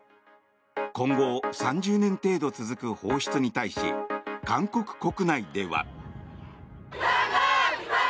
今後、３０年程度続く放出に対し韓国国内では。